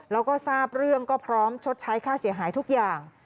แล้วก็ทราบเรื่องก็พร้อมชดใช้ค่าเสียหายทุกอย่าง